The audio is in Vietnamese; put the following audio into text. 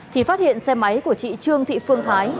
thì phát hiện xe máy của chị trương thị phương thái